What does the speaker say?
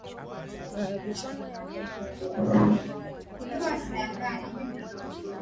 kuharisha na kukohoa hujitokeza kadiri kinga ya mwili inavyopungua